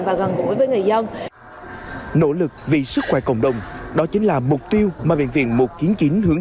và gần gũi với người dân nỗ lực vì sức khỏe cộng đồng đó chính là mục tiêu mà bệnh viện một trăm chín mươi chín hướng